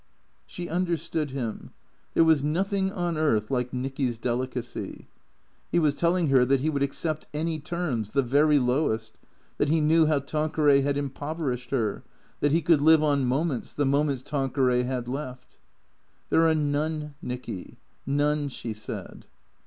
She understood him. There was nothing on earth like Nicky's delicacy. He was telling her that he would accept any terms, the very lowest ; that he knew how Tanqueray had impoverished her ; that he could live on moments, the moments Tanqueray had left. " There are none, Nicky. None," she said.